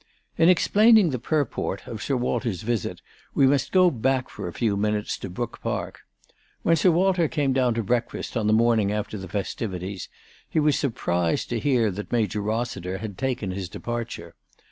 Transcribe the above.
In explaining the purport of Sir Walter's visit we must go back for a few minutes to Brook Park. When Sir Walter came down to breakfast on the morning after the festivities he was surprised to hear that Major Eossiter had taken his departure.